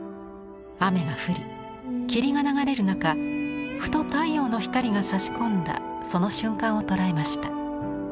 雨が降り霧が流れる中ふと太陽の光がさし込んだその瞬間を捉えました。